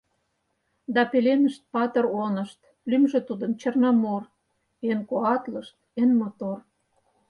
Да пеленышт патыр онышт Лӱмжӧ тудын Черномор, Эн куатлышт, эн мотор.